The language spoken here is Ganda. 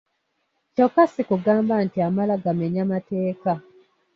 Kyokka si kugamba nti amala gamenya mateeka.